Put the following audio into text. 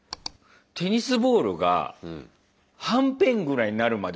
テニスボールがはんぺんぐらいになるまで押してるのに。